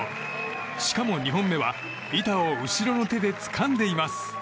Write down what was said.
しかも２本目は板を後ろの手でつかんでいます。